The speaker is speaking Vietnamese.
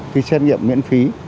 cái xét nghiệm miễn phí